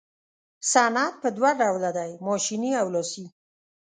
صنعت په دوه ډوله دی ماشیني او لاسي.